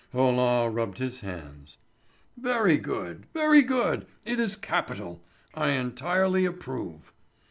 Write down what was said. Roland rubbed his hands. "Very good. Very good. It is capital. I entirely approve."